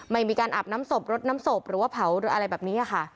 ไม่มีการอาบน้ำศพรดน้ำศพหรือว่าเผาหรืออะไรแบบนี้ค่ะ